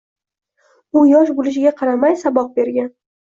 U yosh bo‘lishiga qaramay, saboq bergan.